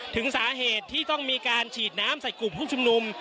ถึงสาเหตุที่ต้องมีการฉีดน้ำใส่กลุ่มผู้ชุมนุม